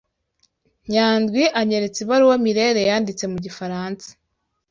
Nyandwi anyeretse ibaruwa Mirelle yanditse mu gifaransa.